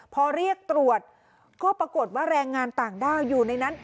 พอเรียกตรวจก็ปรากฏว่าแรงงานต่างด้าวอยู่ในนั้น